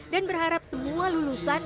dan berharap semua lulusan